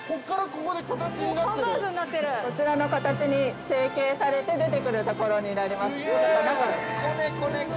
◆こちらの形に成形されて出てくるところになります。